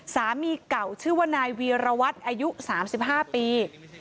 สามีเก่าชื่อว่านายวีรวัตรอายุ๓๕ปี